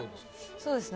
そうですね